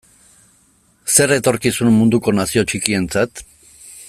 Zer etorkizun munduko nazio txikientzat?